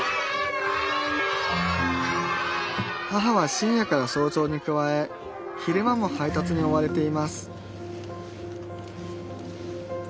母は深夜から早朝に加え昼間も配達に追われています